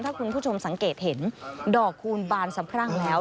ถ้าคุณผู้ชมสังเกตเห็นดอกคูณบานสะพรั่งแล้ว